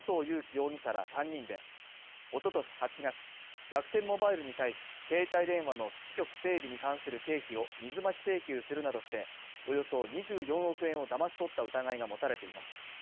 容疑者ら３人で、おととし８月、楽天モバイルに対し、携帯電話の基地局整備に関する経費を水増し請求するなどして、およそ２４億円をだまし取った疑いが持たれています。